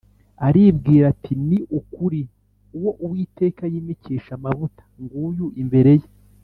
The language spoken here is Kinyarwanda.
aribwira ati “Ni ukuri, uwo Uwiteka yimikisha amavuta nguyu imbere ye.”